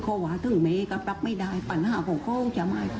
เขาว่าถึงเมฆกับรักไม่ได้ปัญหาของเขาจะไม่